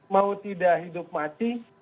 mau tidak hidup mati